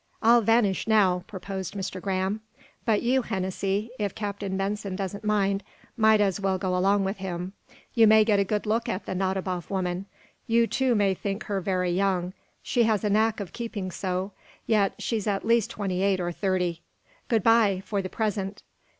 "I'll vanish, now," proposed Mr. Graham. "But you, Hennessy, if Captain Benson doesn't mind, might as well go along with him. You may get a good look at the Nadiboff woman. You, too, may think her very young. She has a knack of keeping so. Yet she's at least twenty eight or thirty. Good bye, for the present!"